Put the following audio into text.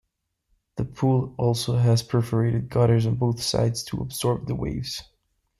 The pool also has perforated gutters on both sides to absorb the waves.